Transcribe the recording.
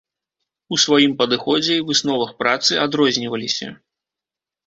У сваім падыходзе і высновах працы адрозніваліся.